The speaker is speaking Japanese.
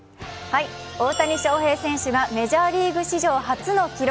大谷翔平選手がメジャーリーグ史上初の記録。